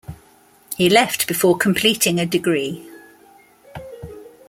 He left before completing a degree.